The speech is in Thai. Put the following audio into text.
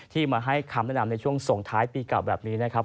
มาให้คำแนะนำในช่วงส่งท้ายปีเก่าแบบนี้นะครับ